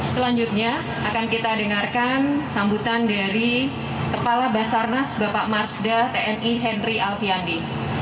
selanjutnya akan kita dengarkan sambutan dari kepala basarnas bapak marsda tni henry alfiandi